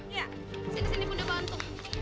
iya kesini bunda bantu